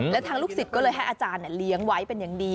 แล้วทางลูกศิษย์ก็เลยให้อาจารย์เลี้ยงไว้เป็นอย่างดี